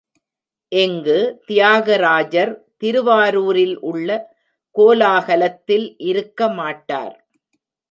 இங்கு தியாகராஜர் திருவாரூரில் உள்ள கோலாகலத்தில் இருக்க மாட்டார்.